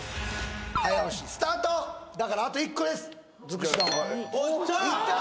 早押しスタートだからあと１個ですいった！